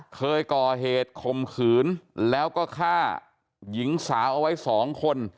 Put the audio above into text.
เคยก่อเหตุคมขืนแล้วก็ฆ่าหญิงสาวเอาไว้สองคน